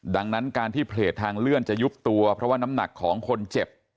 ดังนั้นการที่เพลตทางเลื่อนจะยุบตัวเพราะว่าน้ำหนักของคนเจ็บ